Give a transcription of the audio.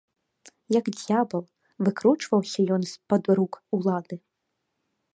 Як д'ябал, выкручваўся ён з-пад рук улады.